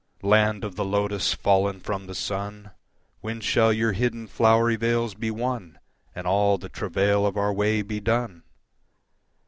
Land of the Lotus, fallen from the Sun, When shall your hidden, flowery vales be won And all the travail of our way be done?